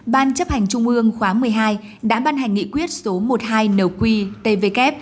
ban chấp hành trung ương khóa một mươi hai đã ban hành nghị quyết số một mươi hai nqtvk